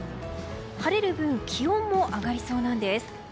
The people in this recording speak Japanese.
晴れる分気温も上がりそうなんです。